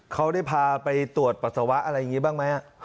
เขาได้พาไปตรวจปัสสาวะอะไรอย่างนี้บ้างไหม